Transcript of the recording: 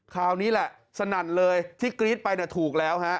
คราวนี้แหละสนั่นเลยที่กรี๊ดไปถูกแล้วฮะ